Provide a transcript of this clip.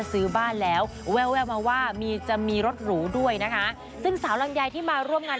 ซึ่งแสงจรักษารังยาย